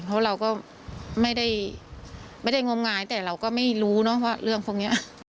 เพราะเราก็ไม่ได้งมงายแต่เราก็ไม่รู้เนอะว่าเรื่องพวกนี้